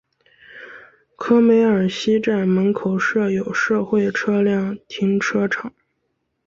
科梅尔西站门口设有社会车辆停车场。